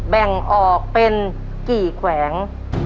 แบ่งออกเป็นกี่แขวง